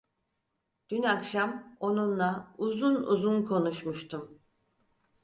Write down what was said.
Dün akşam onunla uzun uzun konuşmuştum.